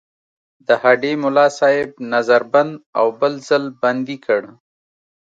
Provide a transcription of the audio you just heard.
د هډې ملاصاحب نظر بند او بل ځل بندي کړ.